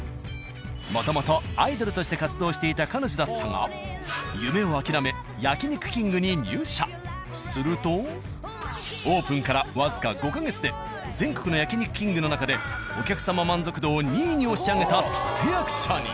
もともとアイドルとして活動していた彼女だったがするとオープンからわずか５か月で全国の「焼肉きんぐ」の中でお客様満足度を２位に押し上げた立て役者に。